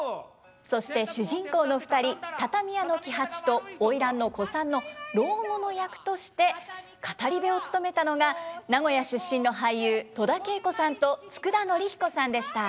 そして主人公の２人畳屋の喜八と花魁の小さんの老後の役として語り部を務めたのが名古屋出身の俳優戸田恵子さんと佃典彦さんでした。